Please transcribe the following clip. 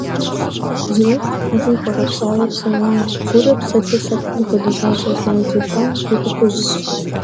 Зи ӏуэхухэр пэжым хуэгъэпсауэ псэуа, гурэ псэкӏэ лъэпкъым хуэлэжьа Сосналы Сулътӏан ди лӏыхъужьщ.